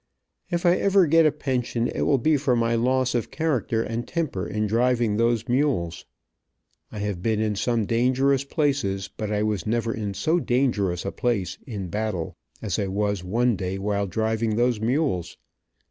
If I ever get a pension it will be for my loss of character and temper in driving those mules. I have been in some dangerous places, but I was never in so dangerous a place, in battle, as I was one day while driving those mules.